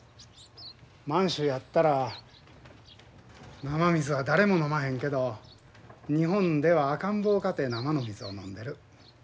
満州やったら生水は誰も飲まへんけど日本では赤ん坊かて生の水を飲んでる。